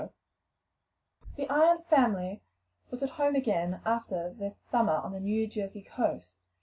Rowe. The Ion family were at home again after their summer on the New Jersey coast.